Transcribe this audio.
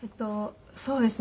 そうですね。